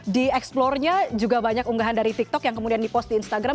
di explornya juga banyak unggahan dari tiktok yang kemudian dipost di instagram